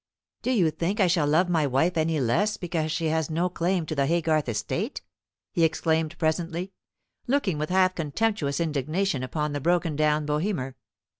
"Do you think I shall love my wife any less because she has no claim to the Haygarth estate?" he exclaimed presently, looking with half contemptuous indignation upon the broken down Bohemer.